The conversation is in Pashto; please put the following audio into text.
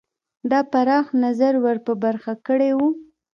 دا پراخ نظر ور په برخه کړی وو.